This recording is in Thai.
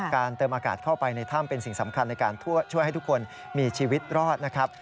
เติมอากาศเข้าไปในถ้ำเป็นสิ่งสำคัญในการช่วยให้ทุกคนมีชีวิตรอดนะครับ